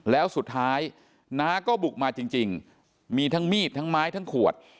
แล้วสุดท้ายน้าก็บุกมาจริงมีทั้งมีดทั้งไม้ทั้งขวด